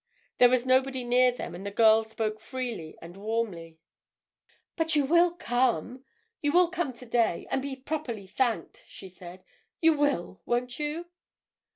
There was nobody near them and the girl spoke freely and warmly. "But you will come—you will come today—and be properly thanked," she said. "You will—won't you?"